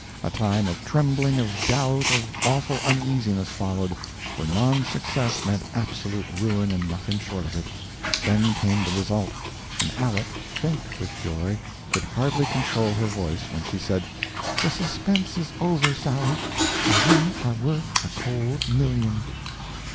A time of trembling, of doubt, of awful uneasiness followed, for non success meant absolute ruin and nothing short of it. Then came the result, and Aleck, faint with joy, could hardly control her voice when she said: "The suspense is over, Sally and we are worth a cold million!"